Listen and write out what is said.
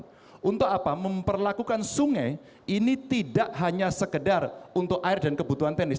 dan juga memperlakukan sungai ini tidak hanya sekedar untuk air dan kebutuhan tenis